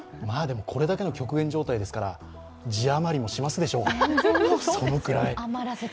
これだけの極限状態ですから、字余りもしますでしょう、そのくらい。